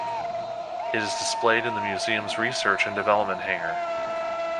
It is displayed in the Museum's Research and Development Hangar.